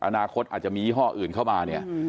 อนาคตอาจจะมียี่ห้ออื่นเข้ามาเนี่ย